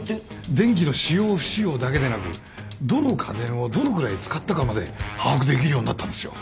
電気の使用不使用だけでなくどの家電をどのぐらい使ったかまで把握できるようになったんですよ。